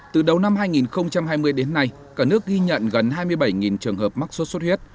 từ đầu năm hai nghìn hai mươi đến nay cả nước ghi nhận gần hai mươi bảy trường hợp mắc sốt xuất huyết